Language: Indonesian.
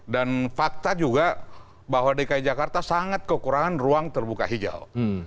fakta juga bahwa dki jakarta sangat kekurangan ruang terbuka hijau